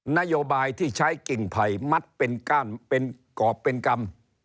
นโยบายที่ใช้กิ่งไผ่มัดเป็นกรเป็นกรรม